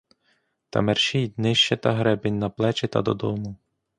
Та мерщій днище та гребінь на плечі та додому.